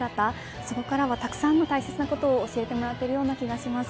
そこからはたくさんの大切なことを教えてもらっているような気がします。